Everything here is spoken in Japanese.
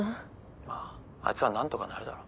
まああいつはなんとかなるだろ。